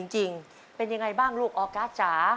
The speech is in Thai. จริงเป็นยังไงบ้างลูกออกัสจ๋า